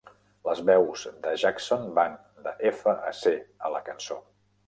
Les veus de Jackson van de F a C a la cançó.